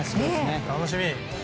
楽しみ！